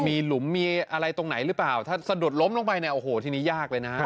มีหลุมมีอะไรตรงไหนหรือเปล่าถ้าสะดุดล้มลงไปเนี่ยโอ้โหทีนี้ยากเลยนะ